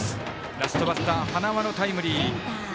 ラストバッター、塙のタイムリー。